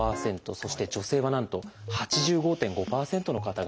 そして女性はなんと８５．５％の方が。